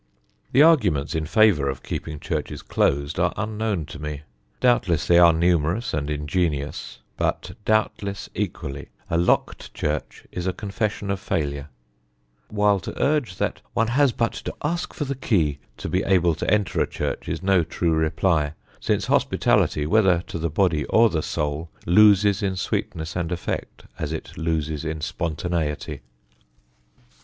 The arguments in favour of keeping churches closed are unknown to me. Doubtless they are numerous and ingenious, but, doubtless equally, a locked church is a confession of failure; while to urge that one has but to ask for the key to be able to enter a church is no true reply, since hospitality, whether to the body or the soul, loses in sweetness and effect as it loses in spontaneity.